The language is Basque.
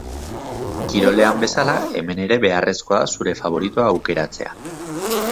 Kirolean bezala, hemen ere beharrezkoa da zure faboritoa aukeratzea.